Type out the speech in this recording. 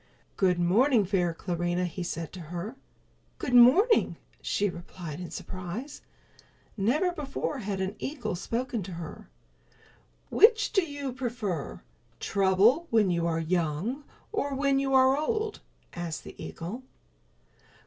"Good morning, fair Clarinha," he said to her. "Good morning," she replied in surprise. Never before had an eagle spoken to her. "Which do you prefer, trouble when you are young or when you are old?" asked the eagle.